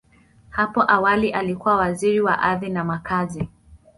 Hapo awali, alikuwa Waziri wa Ardhi na Makazi.